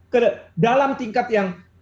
ke dalam tingkat yang